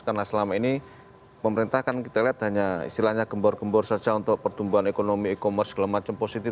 karena selama ini pemerintah kan kita lihat hanya istilahnya gembor gembor saja untuk pertumbuhan ekonomi e commerce segala macam positif